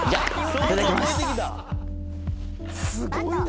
すごいな！